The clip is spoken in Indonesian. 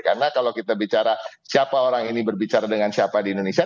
karena kalau kita bicara siapa orang ini berbicara dengan siapa di indonesia